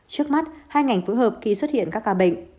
trước mắt hai ngành phối hợp khi xuất hiện các ca bệnh